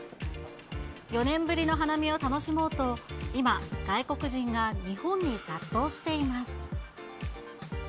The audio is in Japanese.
４年ぶりの花見を楽しもうと、今、外国人が日本に殺到しています。